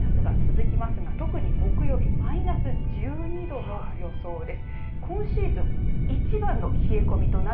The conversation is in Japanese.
札幌はマイナスが続きますが特に木曜日マイナス１２度の予想です。